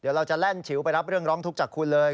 เดี๋ยวเราจะแล่นฉิวไปรับเรื่องร้องทุกข์จากคุณเลย